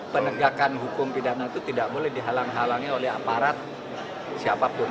penegakan hukum pidana itu tidak boleh dihalang halangi oleh aparat siapapun